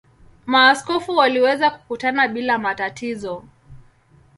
Maaskofu waliweza kukutana bila matatizo.